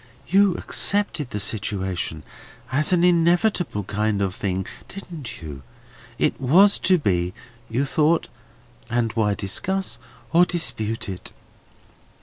You accepted the situation as an inevitable kind of thing, didn't you? It was to be, you thought, and why discuss or dispute it?"